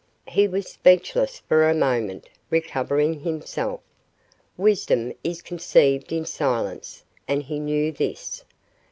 He was speechless for a moment, recovering himself. Wisdom is conceived in silence, and he knew this.